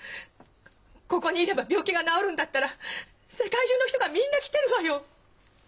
ここにいれば病気が治るんだったら世界中の人がみんな来てるわよ。